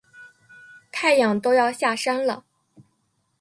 太阳都要下山了